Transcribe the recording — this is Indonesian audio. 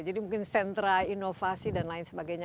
jadi mungkin sentra inovasi dan lain sebagainya